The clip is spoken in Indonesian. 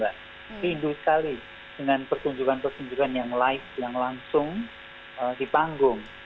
rindu sekali dengan pertunjukan pertunjukan yang live yang langsung di panggung